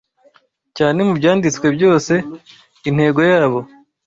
cyane mubyanditswe byose" intego yabo